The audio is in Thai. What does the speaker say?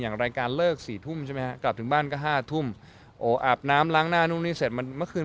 อย่างรายการเลิกสี่ทุ่มใช่ไหมครับกลับถึงบ้านก็ห้าทุ่มอาบน้ำลั้งหน้านู่น